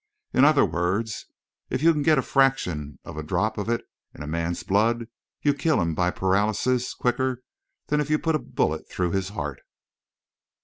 In other words, if you can get a fraction of a drop of it in a man's blood, you kill him by paralysis quicker than if you put a bullet through his heart."